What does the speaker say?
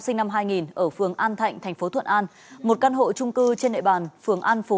sinh năm hai nghìn ở phường an thạnh thành phố thuận an một căn hộ trung cư trên nệ bàn phường an phú